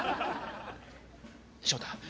翔太。